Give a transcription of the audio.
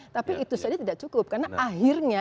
tapi itu saja tidak cukup karena akhirnya